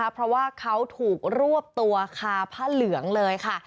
เพราะว่าเขาถูกรวบตัวคาผ้าเหลืองเลยค่ะ